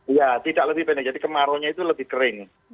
iya tidak lebih pendek jadi kemaraunya itu lebih kering